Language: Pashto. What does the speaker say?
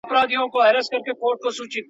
دا تاریخ موږ ته همدا ښيي.